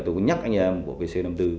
tôi muốn nhắc anh em của pc năm mươi bốn